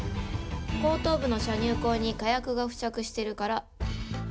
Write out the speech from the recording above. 後頭部の射入口に火薬が付着してるから。